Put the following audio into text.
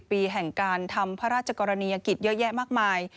ปีแห่งการทำพระราชกรณียกิจเยอะแยะมากมาย